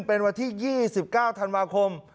เป็นวันที่๒๙ธันวาคม